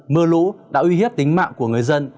mưa lũ đã uy hiếp tính mạng của người dân